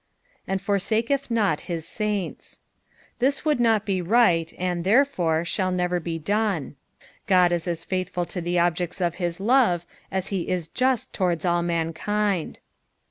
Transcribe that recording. " And fortaketh not Au M»ni«," This would not be right, and, therefore, shall never be done. God is as faithful to the objects of his love aa be is just towards all mankind.